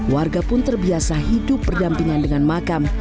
warga pun terbiasa hidup berdampingan dengan makam